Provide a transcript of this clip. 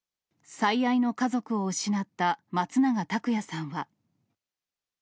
最愛の家族を失った松永拓也さんは。